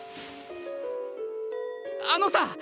あのさ！